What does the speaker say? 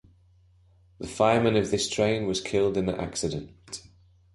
The fireman of this train was killed in the accident.